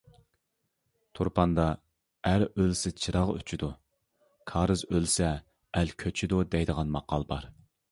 تۇرپاندا: «ئەر ئۆلسە چىراغ ئۆچىدۇ، كارىز ئۆلسە، ئەل كۆچىدۇ» دەيدىغان ماقال بار.